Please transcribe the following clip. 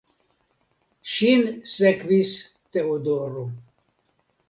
Ŝin sekvis Teodoro.